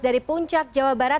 dari puncak jawa barat